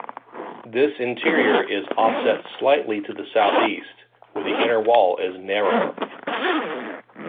This interior is offset slightly to the southeast, where the inner wall is narrower.